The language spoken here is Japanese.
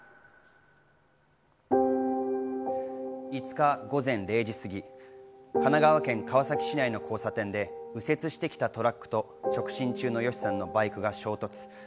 ５日午前０時過ぎ、神奈川県川崎市内の交差点で右折してきたトラックと直進中のＹＯＳＨＩさんのバイクが衝突。